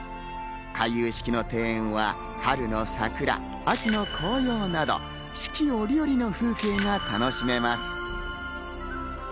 回遊式の庭園は春の桜、秋の紅葉など四季折々の風景が楽しめます。